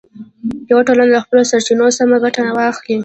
یوه ټولنه له خپلو سرچینو سمه ګټه واخلي.